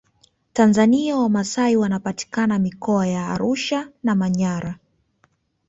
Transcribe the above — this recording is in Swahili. tanzania wamasai wanapatikana mikoa ya arusha na manyara